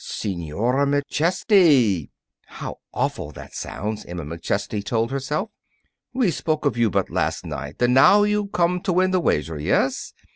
"Senora McChesney!" ("How awful that sounds!" Emma McChesney told herself.) "We spoke of you but last night. And now you come to win the wager, yes?"